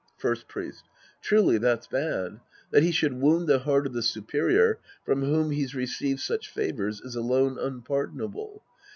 First Priest. Truly that's bad. That he should wound the heart of the superior from whom he's received such favors is alone unpardonable.